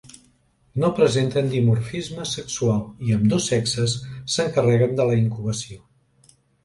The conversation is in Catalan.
No presenten dimorfisme sexual i ambdós sexes s'encarreguen de la incubació.